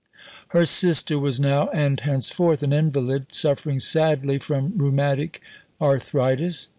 Her sister was now and henceforth an invalid, suffering sadly from rheumatic arthritis.